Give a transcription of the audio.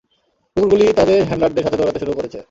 কুকুরগুলি তাদের হ্যান্ডলারদের সাথে দৌড়াতে শুরু করেছে।